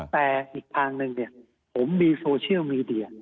แต่อีกทางหนึ่งผมมีโซเชียลมีเดีย